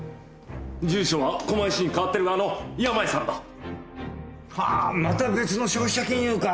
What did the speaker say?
住所は狛江市に変わってるがあの山家さんだ！はあまた別の消費者金融か。